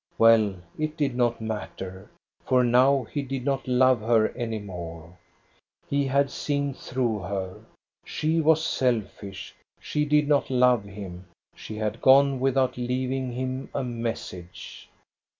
Well, it did not matter, for now he did not love her any more. He had seen through her. She was selfish. She did not love him. She had gone without leaving him a message.